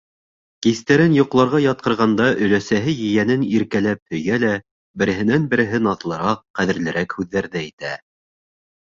Кистәрен йоҡларға ятҡырғанда өләсәһе ейәнен иркәләп һөйә лә береһенән-береһе наҙлыраҡ, ҡәҙерлерәк һүҙҙәрҙе әйтә: